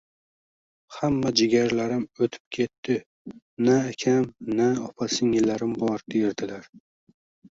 “Hamma jigarlarim o‘tib ketdi. Na akam, na opa-singillarim bor”, derdilar.